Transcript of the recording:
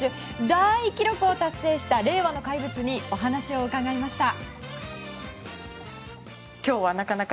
大記録を達成した令和の怪物にお話を伺いました。